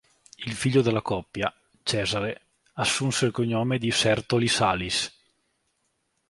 Il figlio della coppia, Cesare, assunse il cognome Sertoli-Salis.